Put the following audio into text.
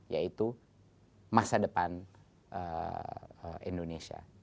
yaitu masa depan indonesia